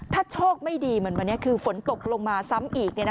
ถ้าโชคไม่ดีเหมือนวันนี้คือฝนตกลงมาซ้ำอีก